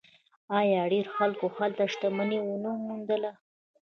آیا ډیرو خلکو هلته شتمني ونه موندله؟